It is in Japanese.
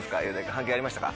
反響ありましたか？